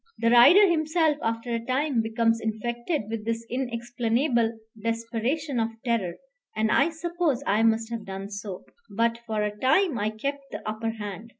The rider himself after a time becomes infected with this inexplainable desperation of terror, and I suppose I must have done so; but for a time I kept the upper hand.